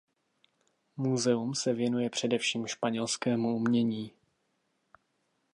Muzeum se věnuje především španělskému umění.